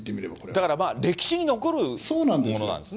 だから、歴史に残るものなんですね。